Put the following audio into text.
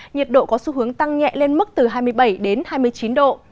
nhiệt độ có xu hướng tăng nhẹ lên mức từ hai mươi bảy đến hai mươi chín độ